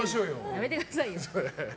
やめてくださいよ！